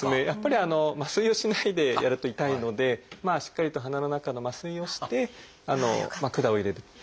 やっぱり麻酔をしないでやると痛いのでしっかりと鼻の中の麻酔をして管を入れる。